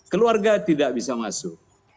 keluarga tidak bisa masuk